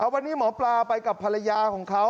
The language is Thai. วันนี้หมอปลาไปกับภรรยาของเขา